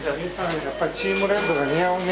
やっぱりチームレッドが似合うね。